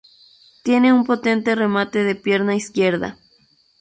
Tiene un potente remate de pierna izquierda.